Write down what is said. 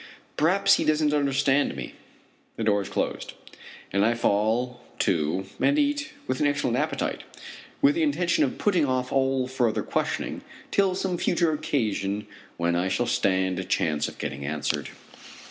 Perhaps he doesn't understand me. The door is closed, and I fall to and eat with an excellent appetite, with the intention of putting off all further questioning till some future occasion when I shall stand a chance of getting answered.